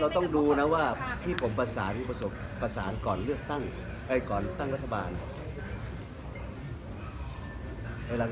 เราต้องดูนะว่าที่ผมประสานประสานก่อนตั้งรัฐบาล